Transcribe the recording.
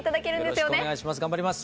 よろしくお願いします。